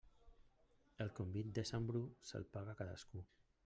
El convit de sant Bru se'l paga cadascú.